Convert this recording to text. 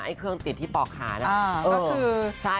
ไอ้เครื่องติดที่ปอกขานะ